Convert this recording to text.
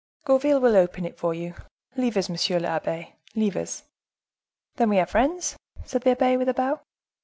"Gourville will open it for you. Leave us, monsieur l'abbe, leave us." "Then we are friends?" said the abbe, with a bow.